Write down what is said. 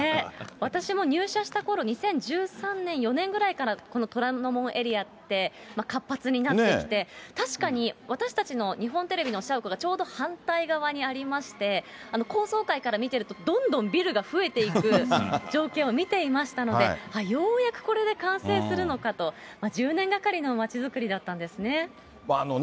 私も入社したころ、２０１３年、４年ぐらいから、この虎ノ門エリアって活発になってきて、確かに私たちの日本テレビの社屋がちょうど反対側にありまして、高層階から見てると、どんどんビルが増えていく状況を見ていましたので、ようやくこれで完成するのかと、１０年がかりの街づくりだったんですね。